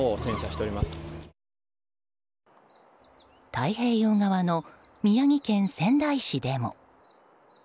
太平洋側の宮城県仙台市でも。